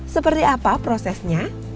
seperti apa prosesnya